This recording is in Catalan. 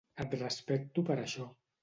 Et respecto per això.